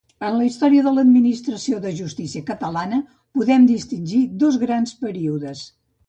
En la història de l'administració de justícia catalana podem distingir dos grans períodes.